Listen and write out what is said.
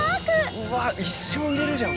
うわ一生いれるじゃん